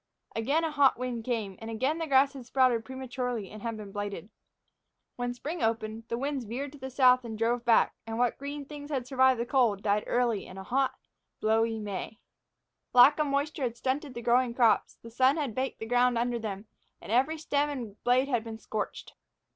Again a hot wind had come, and again the grass had sprouted prematurely and been blighted. When spring opened, the winds veered to the south and drove back, and what green things had survived the cold died early in a hot, blowy May. Lack of moisture had stunted the growing crops, the sun had baked the ground under them, and every stem and blade had been scorched.